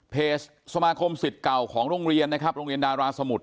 สมาคมสิทธิ์เก่าของโรงเรียนนะครับโรงเรียนดาราสมุทร